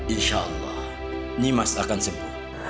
insyaallah nimas akan sembuh